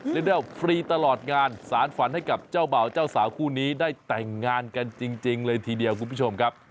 เรียกได้ว่าฟรีตลอดงานสารฝันให้กับเจ้าบ่าวเจ้าสาวคู่นี้ได้แต่งงานกันจริงเลยทีเดียวคุณผู้ชมครับ